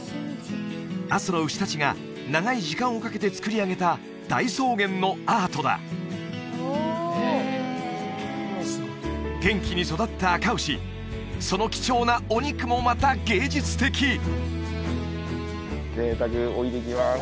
阿蘇の牛達が長い時間をかけてつくり上げた大草原のアートだ元気に育ったあか牛その貴重なお肉もまた芸術的贅沢置いていきます